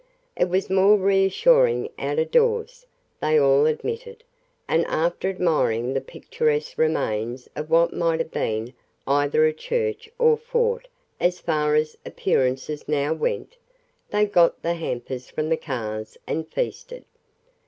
It was more reassuring out of doors, they all admitted, and after admiring the picturesque remains of what might have been either a church or fort as far as appearances now went, they got the hampers from the cars and feasted.